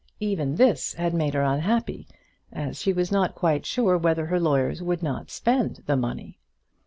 Even this had made her unhappy, as she was not quite sure whether her lawyers would not spend the money.